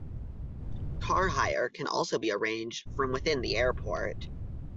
Car hire can also be arranged from within the airport.